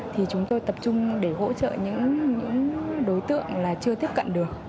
thì chúng tôi tập trung để hỗ trợ những đối tượng là chưa tiếp cận được